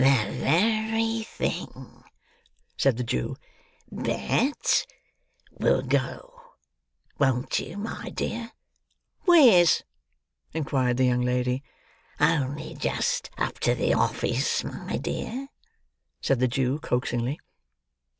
"The very thing!" said the Jew. "Bet will go; won't you, my dear?" "Wheres?" inquired the young lady. "Only just up to the office, my dear," said the Jew coaxingly.